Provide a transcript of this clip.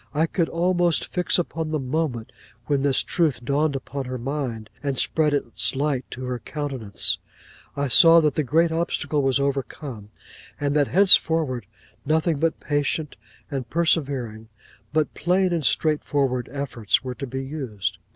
I could almost fix upon the moment when this truth dawned upon her mind, and spread its light to her countenance; I saw that the great obstacle was overcome; and that henceforward nothing but patient and persevering, but plain and straightforward, efforts were to be used.